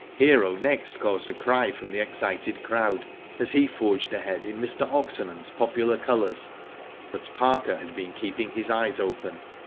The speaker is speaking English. Hero next caused a cry from the excited crowd, as he forged ahead in Mr. Oxenham's popular colours. But Parker had been keeping his eyes open.